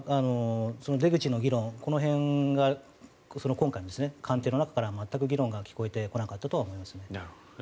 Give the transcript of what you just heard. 出口の議論、この辺が今回、官邸の中から全く議論が聞こえてこなかったとは思いますね。